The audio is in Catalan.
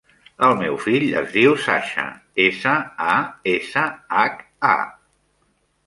El meu fill es diu Sasha: essa, a, essa, hac, a.